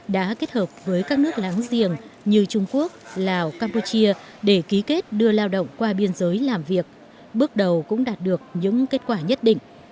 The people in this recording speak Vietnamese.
đã kết hợp với các nước láng giềng như trung quốc lào campuchia để ký kết đưa lao động qua biên giới làm việc bước đầu cũng đạt được những kết quả nhất định